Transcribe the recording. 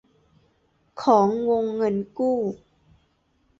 ของวงเงินกู้